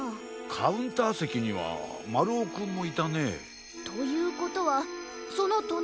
カウンターせきにはまるおくんもいたね。ということはそのとなりだから。